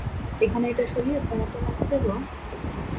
এখানে এটা সরিয়ে তোমারটা লাগিয়ে দিব?